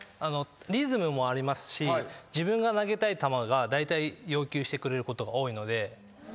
リズムもありますし自分が投げたい球をだいたい要求してくれることが多いので。